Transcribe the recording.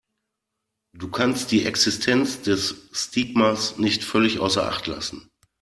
Du kannst die Existenz des Stigmas nicht völlig außer Acht lassen.